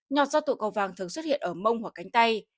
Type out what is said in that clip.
nhọt do tụ cầu vàng thường xuất hiện ở mông hoặc cánh tay